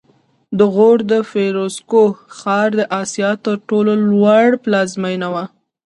د غور د فیروزکوه ښار د اسیا تر ټولو لوړ پلازمېنه وه